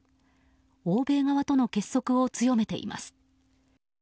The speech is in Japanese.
欧米側との結束を強めています。